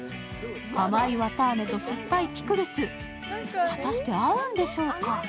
甘い綿あめと酸っぱいピクルス果たして合うんでしょうか？